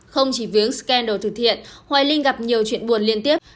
không chỉ với scandal từ thiện hoài linh gặp nhiều chuyện buồn liên tiếp